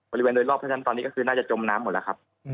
บริเวณโดยรอบเพราะฉะนั้นตอนนี้ก็คือน่าจะจมน้ำหมดแล้วครับ